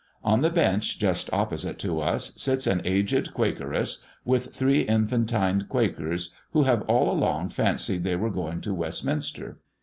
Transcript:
On the bench, just opposite to us, sits an aged quakeress, with three infantine quakers, who have all along fancied they were going to Westminster.